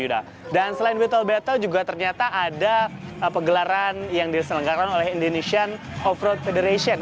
dan selain beatle battle juga ternyata ada pegelaran yang diselenggaran oleh indonesian offroad federation